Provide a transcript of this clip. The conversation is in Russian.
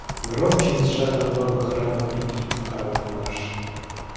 Громче из сжатого горла храма хрипи, похоронный марш!